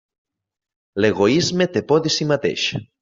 L'egoisme té por de si mateix.